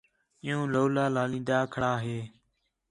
عِیّوں لولا لالین٘دا کھڑا ہے